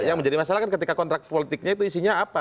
yang menjadi masalah kan ketika kontrak politiknya itu isinya apa